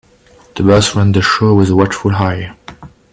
The boss ran the show with a watchful eye.